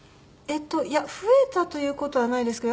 いや増えたという事はないですけど